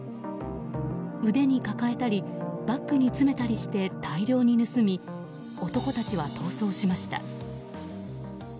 腕に抱えたりバッグに詰めたりして大量に盗み男たちは逃走しました。